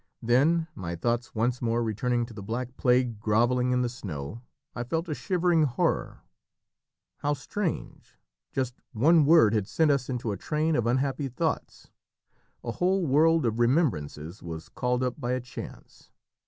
Then, my thoughts once more returning to the Black Plague grovelling in the snow, I felt a shivering of horror. How strange! just one word had sent us into a train of unhappy thoughts. A whole world of remembrances was called up by a chance.